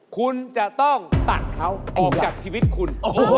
คุณจะต้องตัดเขาออกจากชีวิตคุณ